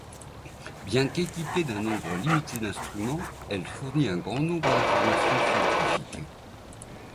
Bien qu'équipée d'un nombre limité d'instruments, elle fournit un grand nombre d'informations scientifiques.